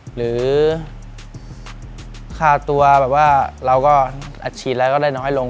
หรือค่าตัวแบบว่าเราก็อัดฉีดอะไรก็ได้น้อยลง